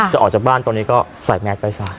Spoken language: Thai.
จะออกจากบ้านตอนนี้ก็ใส่แม็กซ์ไปซ้าย